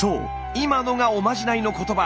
今のがおまじないのことば。